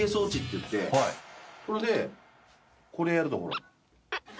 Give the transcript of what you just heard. これでこれやるとほらっ。